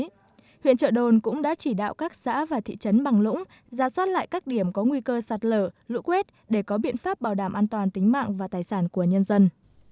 các bác sĩ trung tâm y tế huyện trợ đồn cũng đã chỉ đạo các xã và thị trấn bằng lũng ra soát lại các điểm có nguy cơ sạt lở lũ quét để có biện pháp bảo đảm an toàn tính mạng và tài sản của nhân dân